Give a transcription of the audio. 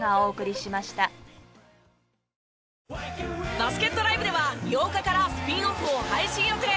バスケットＬＩＶＥでは８日からスピンオフを配信予定。